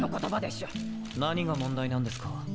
何が問題なんですか？